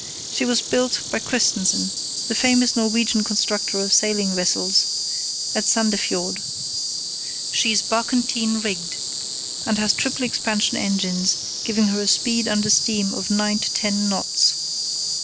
She was built by Christensen, the famous Norwegian constructor of sealing vessels, at Sandefjord. She is barquentine rigged, and has triple expansion engines giving her a speed under steam of nine to ten knots.